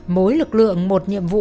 mối lực lượng một nhiệm vụ